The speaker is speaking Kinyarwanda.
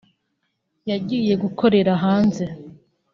yagiye gukorera hanze